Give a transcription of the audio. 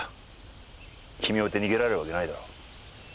君を置いて逃げられるわけないだろ。